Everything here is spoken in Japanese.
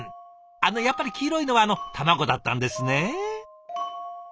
あのやっぱり黄色いのはあの卵だったんですね。